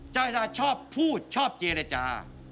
เจ้าตาชอบพูดชอบเจรจา